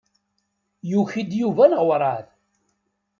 Yuki-d Yuba neɣ werɛad?